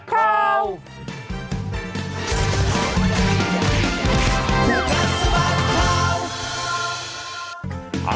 คู่กัดสมัครข่าว